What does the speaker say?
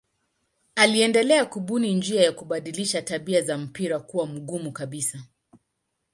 Aliendelea kubuni njia ya kubadilisha tabia za mpira kuwa mgumu kabisa.